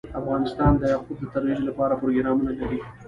افغانستان د یاقوت د ترویج لپاره پروګرامونه لري.